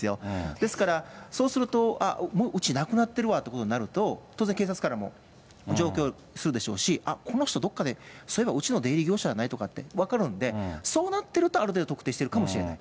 ですから、そうすると、うち、なくなってるわということになると、当然、警察からもじょうきょうするでしょうし、あっ、この人、どっかで、そういえばうちの出入り業者じゃない？とかって分かるんで、そうなってると、ある程度、特定しているかもしれない。